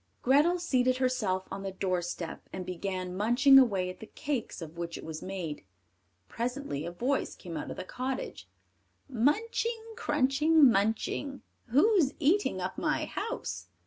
Grethel seated herself on the doorstep, and began munching away at the cakes of which it was made. Presently a voice came out of the cottage: "Munching, crunching, munching, Who's eating up my house?"